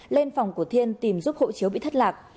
lên phòng của thiên tìm giúp hộ chiếu bị thất lạc